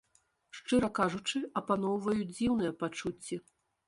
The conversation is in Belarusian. Шчыра кажучы, апаноўваюць дзіўныя пачуцці.